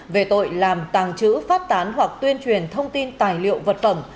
về tội làm tàng trữ phát tán hoặc tuyên truyền thông tin tài liệu vật phẩm